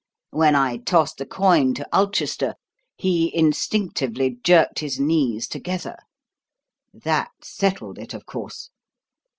When I tossed the coin to Ulchester, he instinctively jerked his knees together. That settled it, of course.